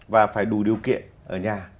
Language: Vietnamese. và phải đủ điều kiện ở nhà